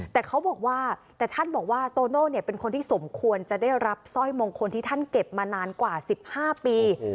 แต่เขาบอกว่าแต่ท่านบอกว่าโตโน่เป็นคนที่สมควรจะได้รับสร้อยมงคลที่ท่านเก็บมานานกว่า๑๕ปี